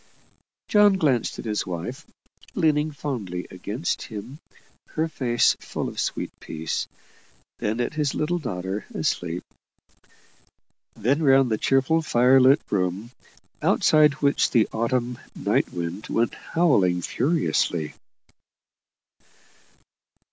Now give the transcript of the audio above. John glanced at his wife, leaning fondly against him, her face full of sweet peace, then at his little daughter asleep, then round the cheerful fire lit room, outside which the autumn night wind went howling furiously.